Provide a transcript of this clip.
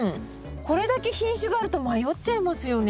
これだけ品種があると迷っちゃいますよね。